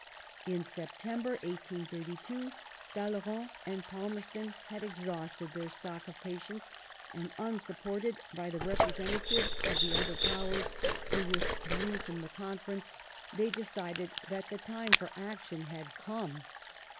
In September, 1832, Talley rand and Palmerston had exhausted their stock of patience, and, unsupported by the representatives of the other Powers, who withdrew from the Conference, they decided that the time for action had come.